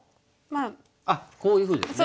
あっこういうふうですね。